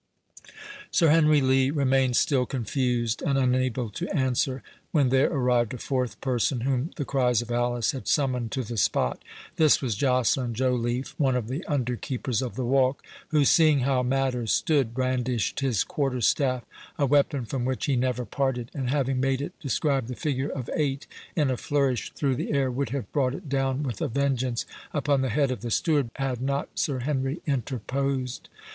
Sir Henry Lee remained still confused, and unable to answer, when there arrived a fourth person, whom the cries of Alice had summoned to the spot. This was Joceline Joliffe, one of the under keepers of the walk, who, seeing how matters stood, brandished his quarterstaff, a weapon from which he never parted, and having made it describe the figure of eight in a flourish through the air, would have brought it down with a vengeance upon the head of the steward, had not Sir Henry interposed.